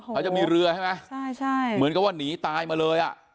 เขาจะมีเรือใช่ไหมใช่ใช่เหมือนกับว่าหนีตายมาเลยอ่ะ